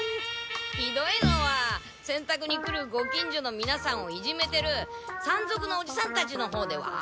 ひどいのはせんたくに来るご近所のみなさんをイジメてる山賊のおじさんたちのほうでは？